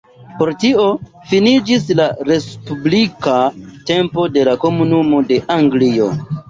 Per tio finiĝis la respublika tempo de la "Komunumo de Anglio".